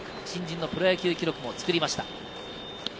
新人のプロ野球記録をつくりました。